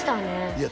いや